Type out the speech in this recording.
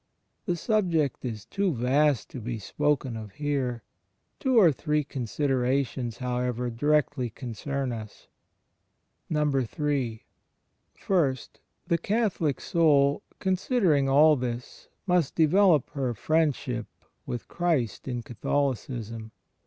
The subject is too vast to be spoken of here. Two or three considerations, however, directly concern us. III. (i) The Catholic soul, considering all this, must develop her Friendship with Christ in Catholicism.